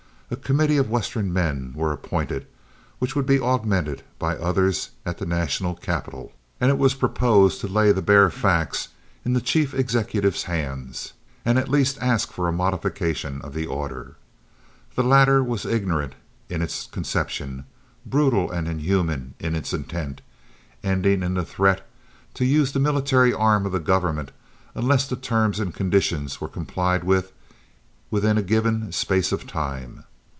A committee of Western men were appointed, which would be augmented by others at the national capital, and it was proposed to lay the bare facts in the chief executive's hands and at least ask for a modification of the order. The latter was ignorant in its conception, brutal and inhuman in its intent, ending in the threat to use the military arm of the government, unless the terms and conditions were complied with within a given space of time.